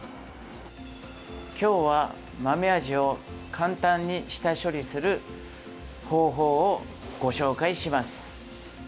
今日は、豆アジを簡単に下処理する方法をご紹介します。